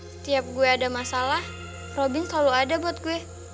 setiap gue ada masalah robin selalu ada buat gue